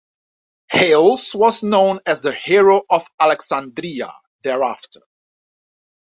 Hales was known as the "Hero of Alexandria" thereafter.